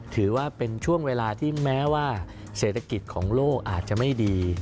ถือว่าเป็นช่วงเวลาที่แม้ว่าเศรษฐกิจของโลกอาจจะไม่ดี